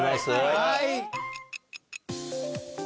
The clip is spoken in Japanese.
はい。